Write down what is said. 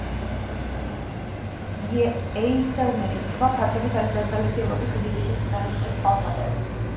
ეისელმერის ტბა ფართობით არის დასავლეთი ევროპის უდიდესი მტკნარი წყლის წყალსატევი.